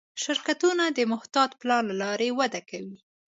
شرکتونه د محتاط پلان له لارې وده کوي.